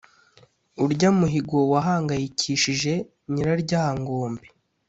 urya muhigo wahangayikishije nyiraryangombe